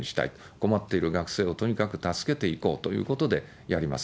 困っている学生をとにかく助けていこうということでやります。